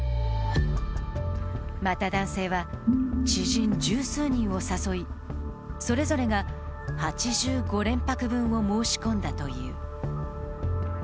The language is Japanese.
また、男性は知人十数人を誘い、それぞれが８５連泊分を申し込んだという。